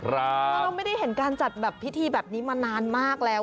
เราไม่ได้เห็นการจัดแบบพิธีแบบนี้มานานมากแล้ว